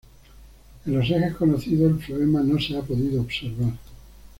En los ejes conocidos el floema no se ha podido observar.